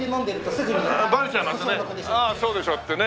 「ああそうでしょ？」ってね。